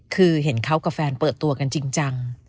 คือเห็นเขากับแฟนเปิดตัวกันจริงจัง